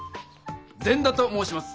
善田と申します。